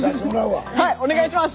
はいお願いします。